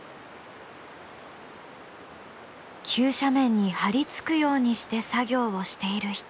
急斜面に張り付くようにして作業をしているヒト。